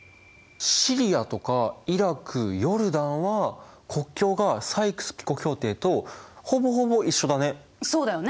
シリアとかイラクヨルダンは国境がサイクス・ピコ協定とほぼほぼ一緒だね。